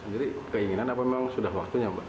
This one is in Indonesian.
jadi keinginan apa memang sudah waktunya